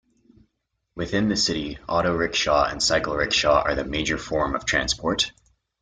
Within the city, auto-rickshaw and cycle rickshaw are the major form of transport.